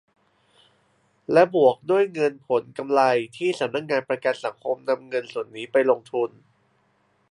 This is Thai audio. และบวกด้วยเงินผลกำไรที่สำนักงานประกันสังคมนำเงินส่วนนี้ไปลงทุน